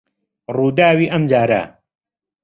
ڕووداوی ئەم جارە